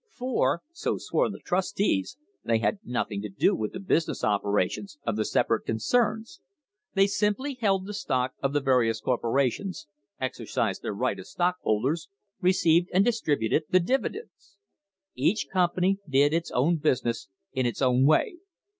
For so swore the trustees they had nothing to do with the business operations of the separate con cerns. They simply held the stock of the various corporations, exercised their right as stockholders, received and distributed the dividends. Each company did its own business in its own way.